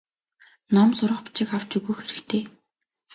Ном сурах бичиг авч өгөх хэрэгтэй.